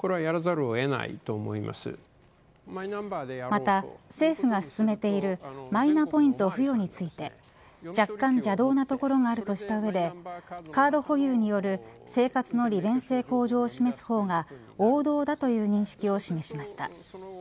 また、政府が進めているマイナポイント付与について若干邪道なところがあるとした上でカード保有による生活の利便性向上を示す方が王道だという認識を示しました。